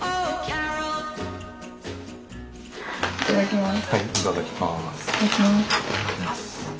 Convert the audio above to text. はいいただきます。